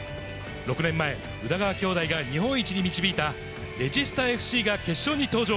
６年前、宇田川兄弟が日本一に導いたレジスタＦＣが決勝に登場。